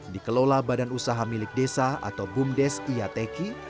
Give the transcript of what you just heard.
dikelola badan usaha milik desa atau bumdes iateki